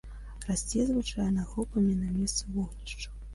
Расце звычайна групамі на месцы вогнішчаў.